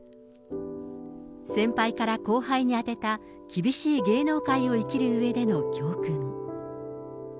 先輩から後輩に宛てた厳しい芸能界を生きるうえでの教訓。